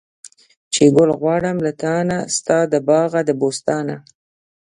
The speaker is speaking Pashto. چې ګل غواړم له تانه، ستا د باغه د بوستانه